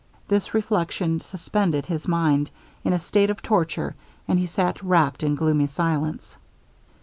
This reflection suspended his mind in a state of torture, and he sat wrapt in gloomy silence.